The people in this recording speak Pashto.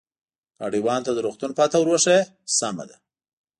ګاډیوان ته د روغتون پته ور وښیه، سمه ده.